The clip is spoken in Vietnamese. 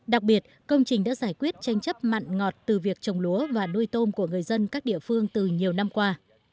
đặc biệt công trình đã giải quyết tranh chấp mặn ngọt từ việc trồng lúa và nuôi tôm của người dân các địa phương từ nhiều năm qua